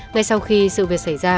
ngay sau khi sự việc xảy ra